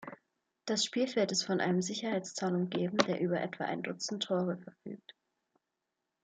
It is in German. Das Spielfeld ist von einem Sicherheitszaun umgeben, der über etwa ein Dutzend Tore verfügt.